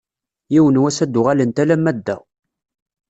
Yiwen n wass ad d-uɣalent alamma d da.